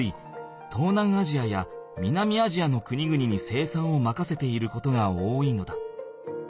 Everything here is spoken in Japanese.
東南アジアや南アジアの国々に生産をまかせていることが多いのだ。